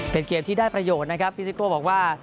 เป็นเกมที่ได้ประโยชน์นะครับพี่ซิโก้บอกว่า